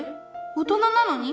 大人なのに？